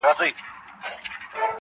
زه وایم داسي وو لکه بې جوابه وي سوالونه,